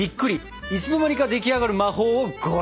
いつの間にか出来上がる魔法をご覧にいれましょう。